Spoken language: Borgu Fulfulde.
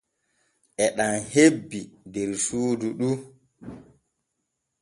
E ɗam hebbi der suudu ɗu.